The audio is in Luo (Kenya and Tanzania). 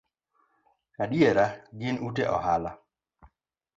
Adiera, gin ute ohala